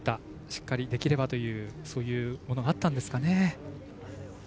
しっかりできればというものがあったんでしょうかね。